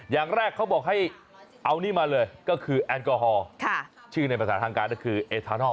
อย่างแรกเขาบอกให้เอานี่มาเลยก็คือแอลกอฮอล์ชื่อในภาษาทางการก็คือเอทานอล